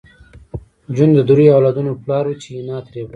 جون د دریو اولادونو پلار و چې حنا ترې لاړه